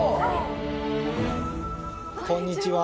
こんにちは。